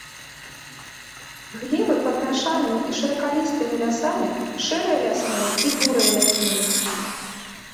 Глебы пад мяшанымі і шыракалістымі лясамі шэрыя лясныя і бурыя лясныя.